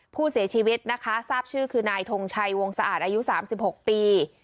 ผู้เสียชีวิตนะคะทราบชื่อคือนายทงชัยวงสะอาดอายุ๓๖ปี